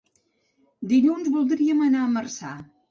Dilluns voldríem anar a Marçà.